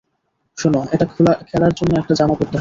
শুনো, এটা খেলার জন্য একটা জামা পড়তে হয়।